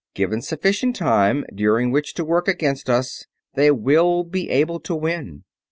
Given sufficient time during which to work against us, they will be able to win.